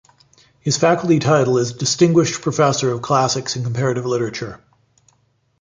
His faculty title is "Distinguished Professor of Classics and Comparative Literature".